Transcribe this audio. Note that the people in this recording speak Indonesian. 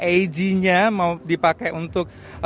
agenya mau dipakai untuk